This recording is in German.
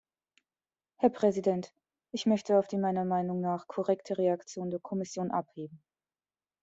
Herr Präsident, ich möchte auf die meiner Meinung nach korrekte Reaktion der Kommission abheben.